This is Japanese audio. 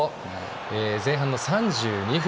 前半の３２分。